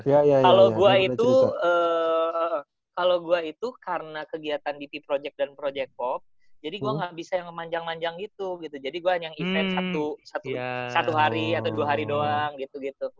kalau gue itu kalau gue itu karena kegiatan bp project dan project pop jadi gue gak bisa yang memanjang manjang itu gitu jadi gue hanya event satu hari atau dua hari doang gitu gitu